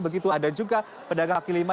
begitu ada juga pedagang kaki lima